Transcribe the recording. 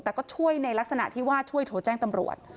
แต่ก็ช่วยในลักษณะที่ว่าช่วยโทรแจ้งตำรวจ